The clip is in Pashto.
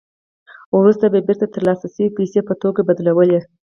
وروسته به یې بېرته ترلاسه شوې پیسې په توکو بدلولې